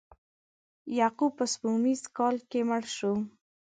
یعقوب په سپوږمیز کال کې مړ شو.